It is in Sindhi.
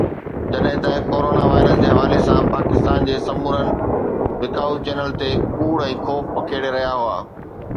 جڏهن ته ڪرونا وائرس جي حوالي سان پاڪستان جي سمورن بکائو چينلز تي ڪوڙ ۽ خوف پکيڙي رهيا هئا